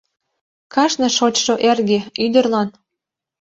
Кажне шочшо эрге, ӱдырлан